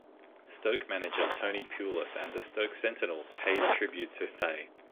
Stoke manager Tony Pulis and the Stoke sentinel paid tribute to Faye.